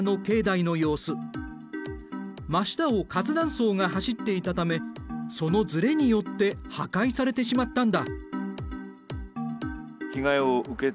真下を活断層が走っていたためそのずれによって破壊されてしまったんだ。